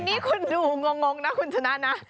นี่คุณดูงงนะคุณชนะนะ